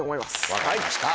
分かりました。